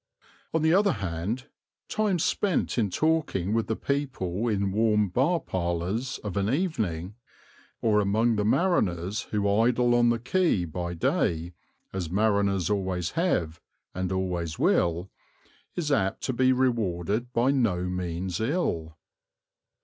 On the other hand, time spent in talking with the people in warm bar parlours of an evening, or among the mariners who idle on the quay by day, as mariners always have and always will, is apt to be rewarded by no means ill.